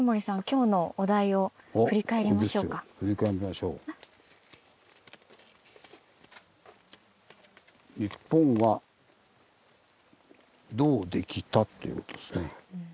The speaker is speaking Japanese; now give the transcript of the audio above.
「『日本』はどうできた？」ということですね。